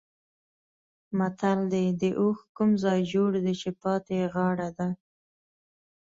متل دی: د اوښ کوم ځای جوړ دی چې پاتې یې غاړه ده.